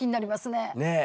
ねえ！